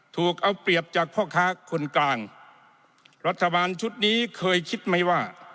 ถูกเอาเปรียบจากพ่อค้าคนกลางรัฐบาลชุดนี้เคยคิดไหมว่า